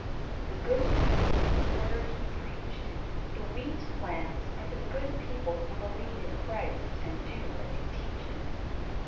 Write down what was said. The good seed is the Word He preached; the wheat plants are the good people who believe in Christ and do as He teaches.